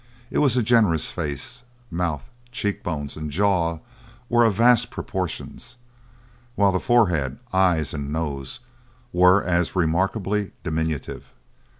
It was a generous face. Mouth, cheekbones, and jaw were of vast proportions, while the forehead, eyes, and nose were as remarkably diminutive.